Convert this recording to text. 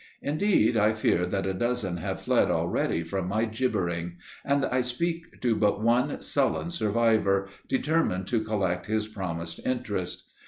Indeed I fear that a dozen have fled already from my gibbering, and I speak to but one sullen survivor, determined to collect his promised interest.